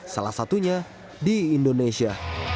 salah satunya di indonesia